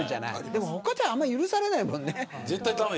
でも他ではあんまり許されないもんね。